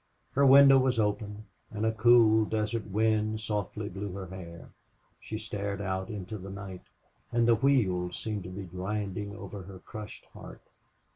Her window was open, and a cool desert wind softly blew her hair. She stared out into the night, and the wheels seemed to be grinding over her crushed heart.